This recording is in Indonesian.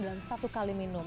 dalam satu kali minum